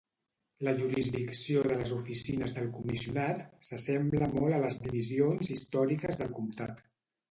La jurisdicció de les Oficines del comissionat s'assembla molt a les divisions històriques del comtat.